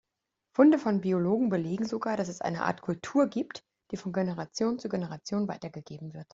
Funde von Biologen belegen sogar, dass es eine Art Kultur gibt, die von Generation zu Generation weitergegeben wird.